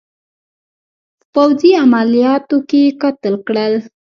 په پوځي عملیاتو کې قتل کړل.